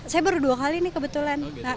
saya baru dua kali nih kebetulan